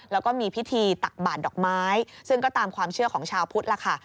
แล้วก็มีพิธีตักบาดดอกไม้ซึ่งก็ตามความเชื่อของชาวพุทธล่ะค่ะ